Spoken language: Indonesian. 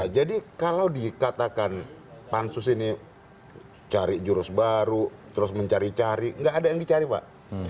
jadi kalau dikatakan pansus ini cari jurus baru terus mencari cari nggak ada yang dicari pak